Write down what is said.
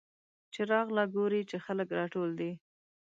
چې راغله ګوري چې خلک راټول دي.